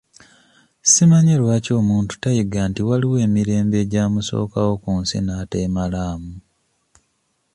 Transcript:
Si manyi lwaki omuntu tayiga nti waaliwo emirembe egyamusookawo ku nsi n'ateemalaamu?